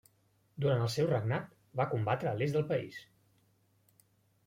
Durant el seu regnat va combatre a l'est del país.